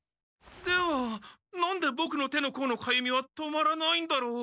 では何でボクの手のこうのかゆみは止まらないんだろう？